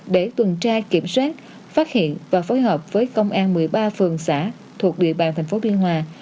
để tuần tra kiểm soát phát hiện và phối hợp với công an một mươi ba phường xã thuộc địa bàn thành phố biên hòa